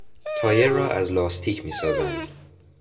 تایر را از لاستیک میسازند.